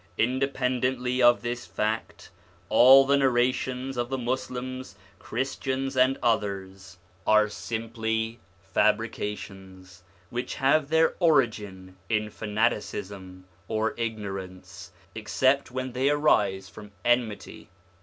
Independently of this fact, all the narrations of the Muslims, Christians, and others, are simply fabrications, which have their origin in fanaticism, or ignorance, except when they arise from enmity.